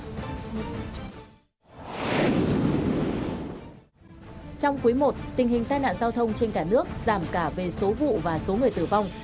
trong quý i tình hình tai nạn giao thông trên cả nước giảm cả về số vụ và số người tử vong